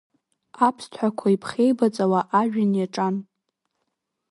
Аԥсҭҳәақәа иԥхеибаҵауа ажәҩан иаҿан.